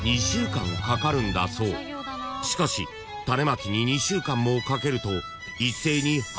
［しかし種まきに２週間もかけると］